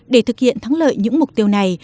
để thực hiện thắng lợi những mục tiêu này